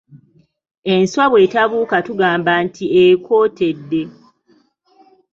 Enswa bwe tabuuka tugamba nti ekootedde.